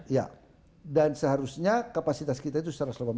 ya dan seharusnya kapasitas kita itu satu ratus delapan puluh